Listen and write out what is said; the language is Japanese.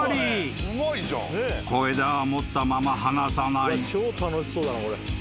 ［小枝は持ったまま離さない］